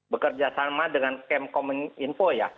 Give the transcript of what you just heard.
bekerja sama dengan kemkominfo ya